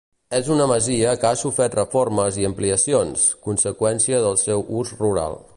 És una masia que ha sofert reformes i ampliacions, conseqüència del seu ús rural.